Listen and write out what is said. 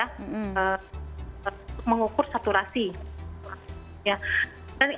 untuk mengukur saturasi